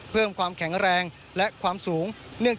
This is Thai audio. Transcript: เพิ่มความแข็งแรงและความสูง